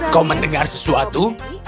kau mendengar sesuatu